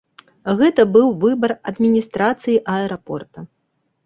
Гэта быў выбар адміністрацыі аэрапорта.